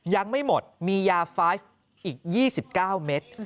ยังไม่หมดมียาไฟฟ์อีก๒๙เมตร